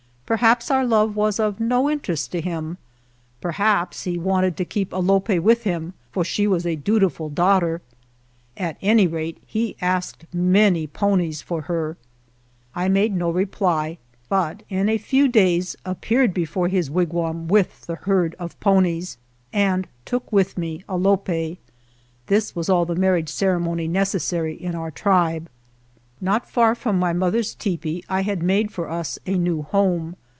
Perhaps our love was of no interest to him; perhaps he wanted to keep Alope with him, for she was a dutiful daughter; at any rate he asked many ponies for her. I made no reply, but in a few days appeared before his wigwam with the herd of ponies and took with me Alope. This was all the marriage ceremony necessary in our tribe. Not far from my mother's tepee I had made for us a new home.